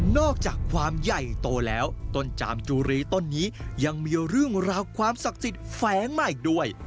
อกจากความใหญ่โตแล้วต้นจามจุรีต้นนี้ยังมีเรื่องราวความศักดิ์สิทธิ์แฝงมาอีกด้วย